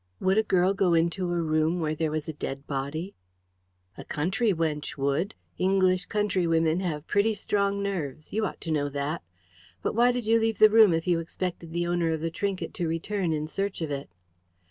"Would a girl go into a room where there was a dead body?" "A country wench would. English countrywomen have pretty strong nerves. You ought to know that. But why did you leave the room if you expected the owner of the trinket to return in search of it?"